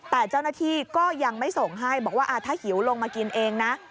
แต่เจ้าหน้าที่ก็ยังไม่ส่งให้บอกว่าถ้าหิวลงมากินเองนะ